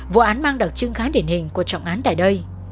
vụ án mang đặc trưng khá điển hình của trọng án tại đây